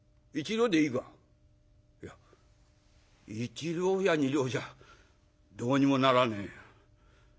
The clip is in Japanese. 「いや１両や２両じゃどうにもならねえ。